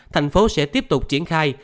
thành phố sẽ tiếp tục triển khai